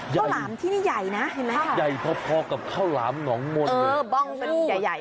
ข้าวหลามที่นี่ใหญ่นะเห็นไม่ใหญ่พอกับข้าวหลามหนองม่อนเลย